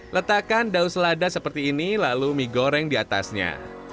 letakkan daun selada seperti ini lalu mie goreng di atasnya